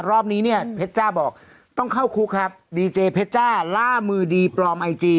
รอบนี้เนี่ยเพชรจ้าบอกต้องเข้าคุกครับดีเจเพชรจ้าล่ามือดีปลอมไอจี